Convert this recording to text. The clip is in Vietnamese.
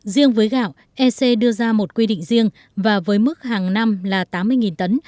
riêng với gạo ec đưa ra một quy định riêng và với mức hàng năm là tám mươi tấn